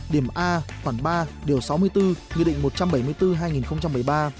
điểm a khoảng ba điều sáu mươi bốn nghị định một trăm bảy mươi bốn hai nghìn một mươi ba